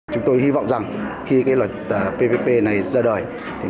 chúng tôi hy vọng rằng khi luật ppp này ra đời